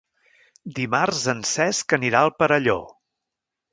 Dimarts en Cesc anirà al Perelló.